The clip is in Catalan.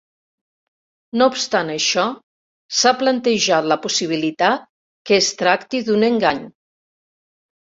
No obstant això, s'ha plantejat la possibilitat que es tracti d'un engany.